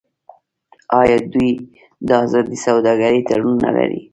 آیا دوی د ازادې سوداګرۍ تړون نلري؟